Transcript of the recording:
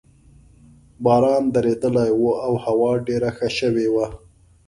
باران درېدلی وو او هوا ډېره ښه شوې وه.